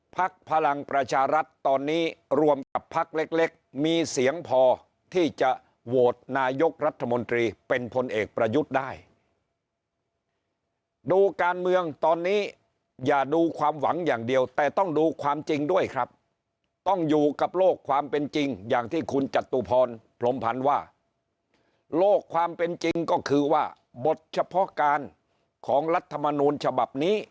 พลังประชารัฐตอนนี้รวมกับพักเล็กมีเสียงพอที่จะโหวตนายกรัฐมนตรีเป็นพลเอกประยุทธ์ได้ดูการเมืองตอนนี้อย่าดูความหวังอย่างเดียวแต่ต้องดูความจริงด้วยครับต้องอยู่กับโลกความเป็นจริงอย่างที่คุณจตุพรพรมพันธ์ว่าโลกความเป็นจริงก็คือว่าบทเฉพาะการของรัฐมนูลฉบับนี้